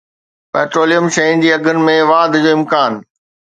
petroleum شين جي اگهن ۾ واڌ جو امڪان